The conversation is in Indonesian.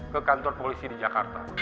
ke kantor polisi di jakarta